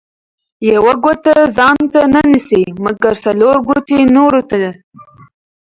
ـ يوه ګوته ځانته نه نيسي، مګر څلور ګوتې نورو ته.